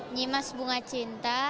nyimas bunga cinta